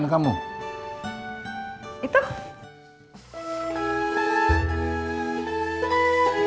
mereka coba ngeseri